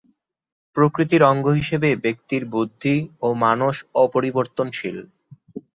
প্রকৃতির অঙ্গ হিসেবে ব্যক্তির বুদ্ধি ও মানস অপরিবর্তনশীল।